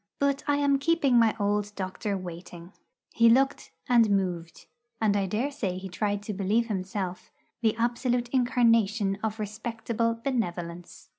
But I am keeping my old doctor waiting. He looked and moved, and I dare say tried to believe himself, the absolute incarnation of respectable Benevolence.